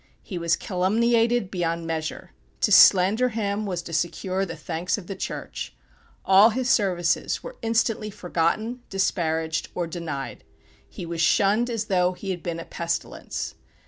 He was calumniated beyond measure. To slander him was to secure the thanks of the Church. All his services were instantly forgotten, disparaged or denied. He was shunned as though he had been a pestilence.